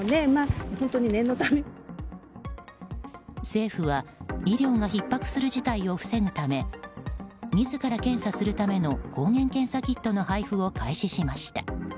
政府は医療がひっ迫する事態を防ぐため自ら検査するための抗原検査キットの配布を開始しました。